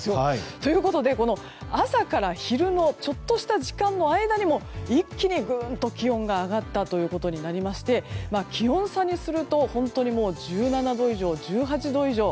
ということで、朝から昼のちょっとした時間の間にも一気にぐんと気温が上がりまして気温差にすると１７度以上、１８度以上。